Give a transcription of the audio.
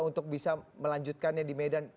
untuk bisa melanjutkannya di medan